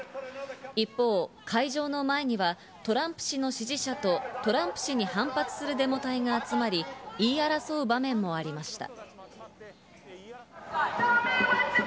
一方、会場の前にはトランプ氏の支持者とトランプ氏に反発するデモ隊が集まり、言い争う場面もありました。